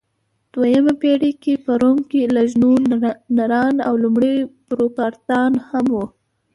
دویمه پېړۍ کې په روم کې لژنونران او لومړۍ بوروکراتان هم وو.